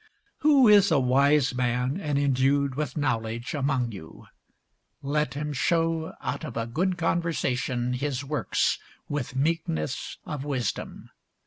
Who is a wise man and endued with knowledge among you? let him shew out of a good conversation his works with meekness of wisdom.